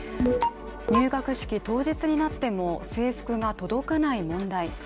入学式当日になっても制服が届かない問題。